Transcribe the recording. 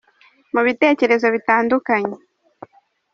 Mu bitekerezo bitandukanye